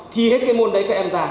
thì hết cái môn đấy các em ra